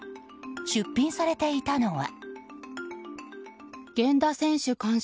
出品されていたのは。